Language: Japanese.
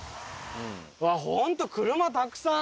うわっ本当車たくさん！